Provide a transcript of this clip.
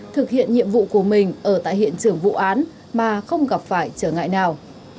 thực hiện nhiệm vụ của mình ở tại hiện trường vụ án mà không gặp phải trở ngại nào